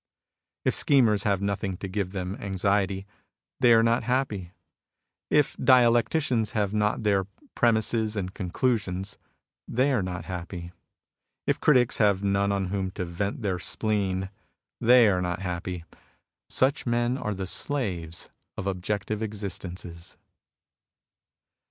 If schemers have nothing to give them anxiety, they are not happy. If dialecticians have not their premisses and conclusions, they are not happy. If critics have none on whom to vent their spleen, they are not happy. Such men are the slaves of objective existences.